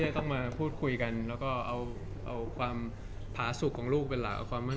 สิ่งที่เรายืนเขาเสริมไปให้หลาย